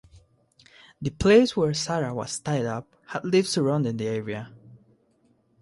The place where Sarah was tied up had leaves surrounding the area.